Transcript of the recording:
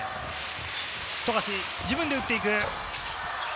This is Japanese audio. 富樫、自分で打っていく。